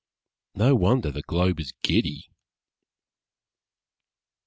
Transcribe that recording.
No wonder the globe is giddy!